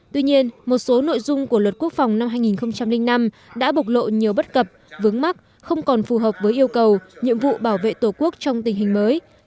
tuy nhiên một số nội dung của luật quốc phòng năm hai nghìn năm đã bộc lộ nhiều bất cập vướng mắc không còn phù hợp với yêu cầu nhiệm vụ bảo vệ tổ quốc trong tình hình mới